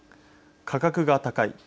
価格が高い。